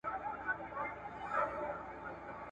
مړې که دا ډېوې کړو میخانې که خلوتون کړو !.